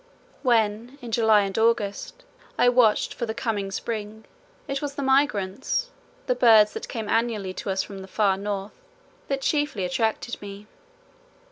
When, in July and August, I watched for the coming spring, it was the migrants, the birds that came annually to us from the far north, that chiefly attracted me.